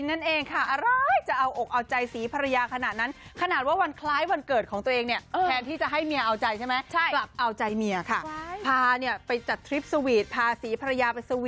ไปต่อกันที่ข่าวคนนี้กันบ้างค่ะ